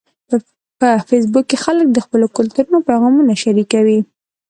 په فېسبوک کې خلک د خپلو کلتورونو پیغامونه شریکوي